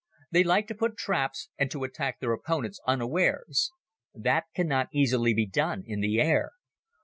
They like to put traps and to attack their opponents unawares. That cannot easily be done in the air.